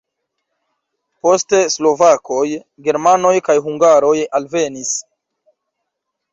Poste slovakoj, germanoj kaj hungaroj alvenis.